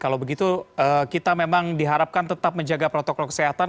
kalau begitu kita memang diharapkan tetap menjaga protokol kesehatan